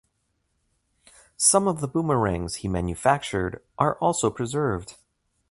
Some of the boomerangs he manufactured are also preserved.